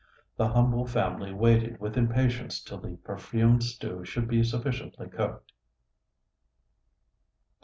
The humble family waited with impatience till the perfumed stew should be sufficiently cooked.